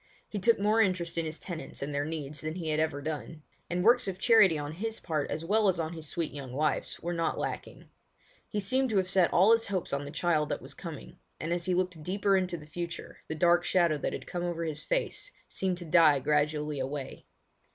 He took more interest in his tenants and their needs than he had ever done; and works of charity on his part as well as on his sweet young wife's were not lacking. He seemed to have set all his hopes on the child that was coming, and as he looked deeper into the future the dark shadow that had come over his face seemed to die gradually away.